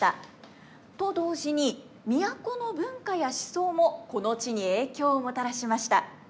と同時に都の文化や思想もこの地に影響をもたらしました。